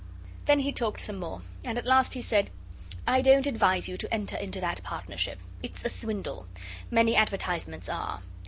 Then he talked some more, and at last he said 'I don't advise you to enter into that partnership. It's a swindle. Many advertisements are.